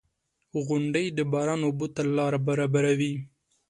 • غونډۍ د باران اوبو ته لاره برابروي.